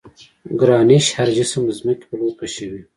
ګرانش هر جسم د ځمکې پر لور کشوي.